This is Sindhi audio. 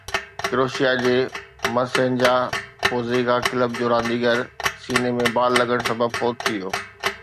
ڪروشيا جي مرسينجا پوزيگا ڪلب جو رانديگر سيني ۾ بال لڳڻ سبب فوت ٿي ويو